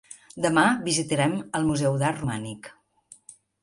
Demà visitarem el museu d'art romànic.